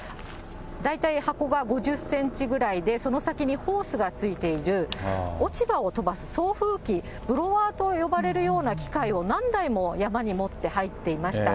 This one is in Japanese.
大体箱が５０センチぐらいで、その先にホースが付いている、落ち葉を飛ばす送風機、ブロワーと呼ばれるような機械を、何台も山に持って入っていました。